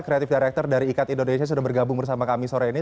creative director dari ikat indonesia sudah bergabung bersama kami sore ini